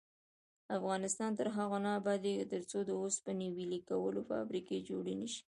افغانستان تر هغو نه ابادیږي، ترڅو د اوسپنې ویلې کولو فابریکې جوړې نشي.